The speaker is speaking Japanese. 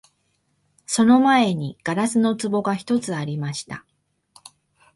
その前に硝子の壺が一つありました